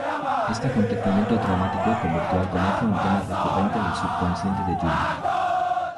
Este acontecimiento traumático convirtió al conejo en tema recurrente del subconsciente de Julie.